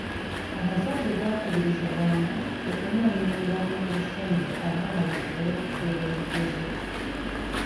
Abazadde bakubirizibwa okunoonyanga amangu ssente abaana basobole okutuula ebigezo.